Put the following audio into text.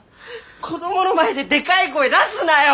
子どもの前ででかい声出すなよ！